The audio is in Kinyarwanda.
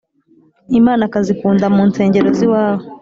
’imanakazi ikunda mu nsengero z’iwabo